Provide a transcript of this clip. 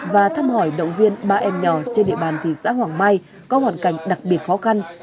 và thăm hỏi động viên ba em nhỏ trên địa bàn thị xã hoàng mai có hoàn cảnh đặc biệt khó khăn